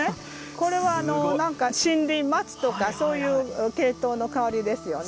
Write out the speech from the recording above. これは何か森林松とかそういう系統の香りですよね。